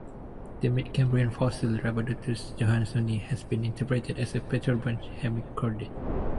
The Mid Cambrian fossil "Rhabdotubus johanssoni" has been interpreted as a pterobranch hemichordate.